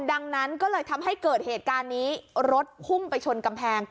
ดังนั้นก็เลยทำให้เกิดเหตุการณ์นี้รถพุ่งไปชนกำแพง